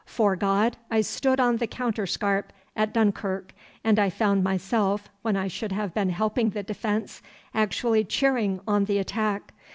'Fore God, I stood on the counterscarp at Dunkirk, and I found myself, when I should have been helping the defence, actually cheering on the attack.